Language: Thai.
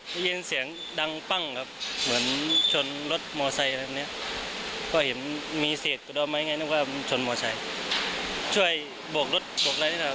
มีเสียงดังปั้งครับเหมือนชนรถมอไซค์อะไรแบบนี้ก็เห็นมีเสียงกระดอบไหมไงนึกว่าชนมอไซค์ช่วยโบกรถโบกอะไรนะครับ